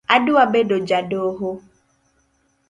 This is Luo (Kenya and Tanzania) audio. Adwa bedo jadoho